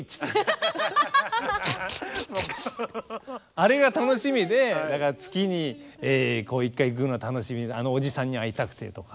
あれが楽しみでだから月に一回行くのが楽しみであのおじさんに会いたくてとか。